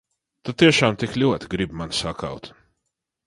Tu tiešām tik ļoti gribi mani sakaut?